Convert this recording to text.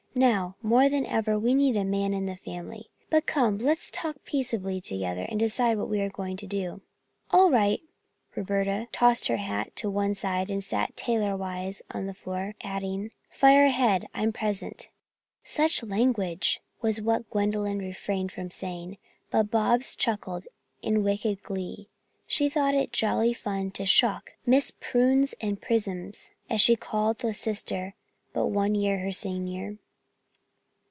"Now, more than ever, we need a man in the family. But come, let's talk peaceably together and decide what we are to do." "All right," Roberta tossed her hat to one side and sat tailor wise on the floor, adding: "Fire ahead, I'm present." "Such language," was what Gwendolyn refrained from saying, but Bobs chuckled in wicked glee. She thought it jolly fun to shock "Miss Prunes and Prisms," as she called the sister but one year her senior.